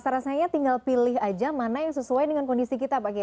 rasa rasanya tinggal pilih aja mana yang sesuai dengan kondisi kita pak kiai